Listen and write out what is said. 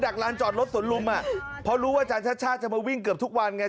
ร้านจอดรถสวนลุมอ่ะเพราะรู้ว่าอาจารย์ชาติชาติจะมาวิ่งเกือบทุกวันไง